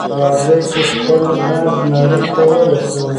راځئ چې خپل غږ نړۍ ته ورسوو.